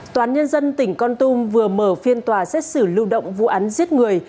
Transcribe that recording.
toán nhân dân tỉnh con tum vừa mở phiên tòa xét xử lưu động vụ án giết người